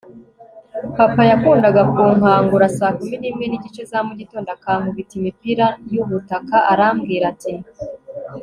papa yakundaga kunkangura saa kumi n'imwe n'igice za mugitondo akankubita imipira y'ubutaka arambwira ati